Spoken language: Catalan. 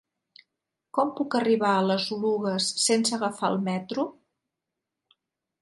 Com puc arribar a les Oluges sense agafar el metro?